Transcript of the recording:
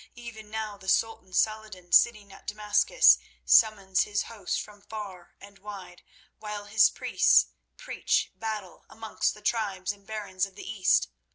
Even now the Sultan Saladin, sitting at Damascus, summons his hosts from far and wide, while his priests preach battle amongst the tribes and barons of the East.